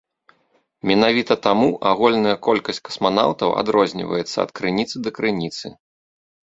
Менавіта таму агульная колькасць касманаўтаў адрозніваецца ад крыніцы да крыніцы.